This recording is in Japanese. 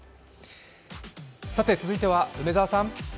さて、続いては梅澤さん。